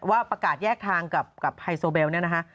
ว่าประกาศแยกทางกับไฮโซเบลเนี่ยนะคะ